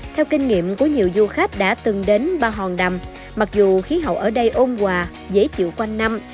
theo kinh nghiệm của nhiều du khách đã từng đến ba hòn nằm mặc dù khí hậu ở đây ôn hòa dễ chịu quanh năm